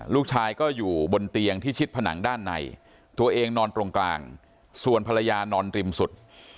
ลูกชายก็อยู่บนเตียงที่ชิดผนังด้านในตัวเองนอนตรงกลางส่วนภรรยานอนริมสุด